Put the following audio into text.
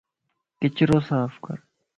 ڪچرو صاف ڪر